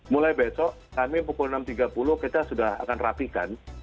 mulai besok kami pukul enam tiga puluh kita sudah akan rapikan